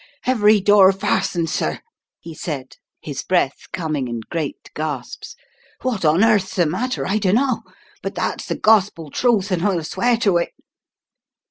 "Ev — every door — fastened, sir," he said, his In the Dark 37 breath coming in great gasps. "What on earth's the matter, I dunno. But that's the gospel truth, and I'll swear to it!"